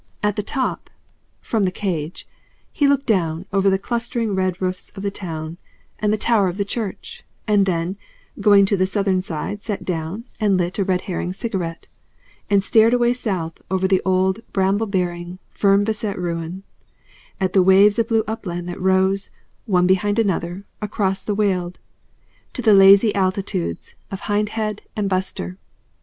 At the top, from the cage, he looked down over the clustering red roofs of the town and the tower of the church, and then going to the southern side sat down and lit a Red Herring cigarette, and stared away south over the old bramble bearing, fern beset ruin, at the waves of blue upland that rose, one behind another, across the Weald, to the lazy altitudes of Hindhead and Butser.